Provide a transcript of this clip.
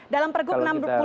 dalam pergub enam puluh